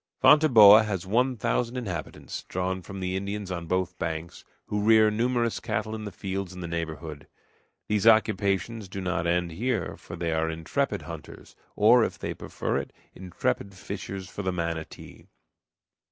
Fonteboa has one thousand inhabitants, drawn from the Indians on both banks, who rear numerous cattle in the fields in the neighborhood. These occupations do not end here, for they are intrepid hunters, or, if they prefer it, intrepid fishers for the manatee.